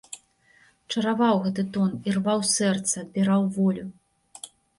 Чараваў гэты тон, ірваў сэрца, адбіраў волю.